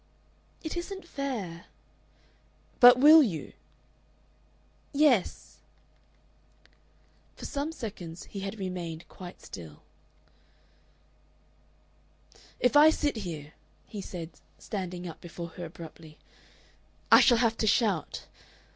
"It isn't fair...." "But will you?" "YES." For some seconds he had remained quite still. "If I sit here," he said, standing up before her abruptly, "I shall have to shout.